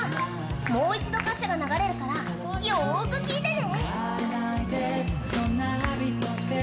もう一度歌詞が流れるらよーく聴いてね。